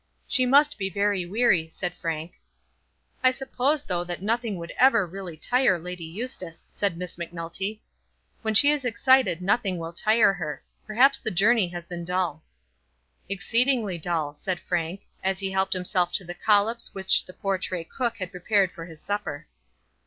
"She must be very weary," said Frank. "I suppose though that nothing would ever really tire Lady Eustace," said Miss Macnulty. "When she is excited nothing will tire her. Perhaps the journey has been dull." "Exceedingly dull," said Frank, as he helped himself to the collops which the Portray cook had prepared for his supper.